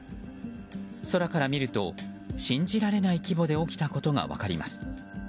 空から見ると信じられない規模で起きたことが分かります。